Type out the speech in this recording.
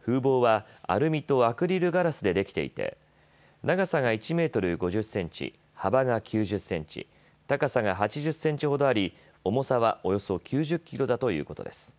風防はアルミとアクリルガラスでできていて長さが１メートル５０センチ、幅が９０センチ、高さが８０センチほどあり、重さはおよそ９０キロだということです。